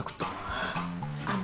あぁあの。